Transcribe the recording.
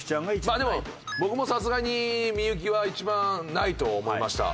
まあでも僕もさすがに幸は一番ないと思いました。